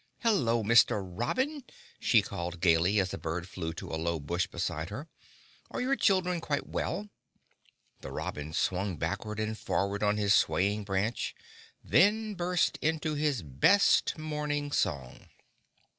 "Hello! Mr. Robin!" she called gaily, as a bird flew to a low bush beside her. "Are your children quite well?" The robin swung backward and forward on his swaying branch; then burst into his best morning song.